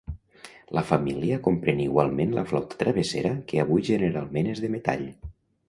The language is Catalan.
La família compren igualment la flauta travessera que avui generalment és de metall.